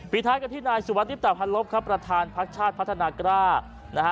ปีท้ายก็ที่นายสุวทธิปตาพันธ์ลบครับประธานพลักษณะชาติพัฒนากราศ